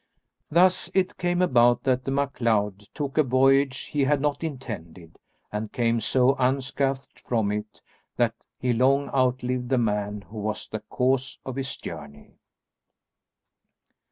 Thus it came about that the MacLeod took a voyage he had not intended, and came so unscathed from it that he long outlived the man who was the cause of his journey.